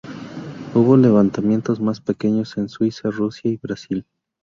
Hubo levantamientos más pequeños en Suiza, Rusia y Brasil.